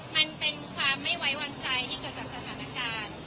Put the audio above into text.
มันเป็นความไม่ไว้วางใจที่เกิดจากสถานการณ์